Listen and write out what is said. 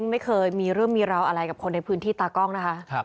ไม่เคยมีเรื่องมีราวอะไรกับคนในพื้นที่ตากล้องนะคะ